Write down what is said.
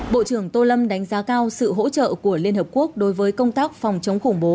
bộ trưởng tô lâm đánh giá cao sự hỗ trợ của liên hợp quốc đối với công tác phòng chống khủng bố